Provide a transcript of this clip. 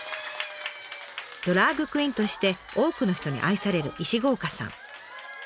ドラァグクイーンとして多くの人に愛される石郷岡さん。